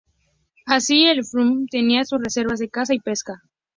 Así, en El Fayum, tenían sus reservas de caza y pesca.